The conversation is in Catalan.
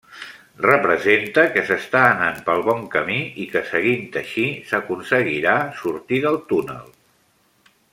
Representa que s'està anat pel bon camí i que seguint així s'aconseguirà sortir del túnel.